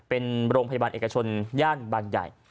เป็นโรงพยาบาลเอกชนย่านบางใหญ่